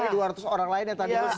dari dua ratus orang lain yang tadi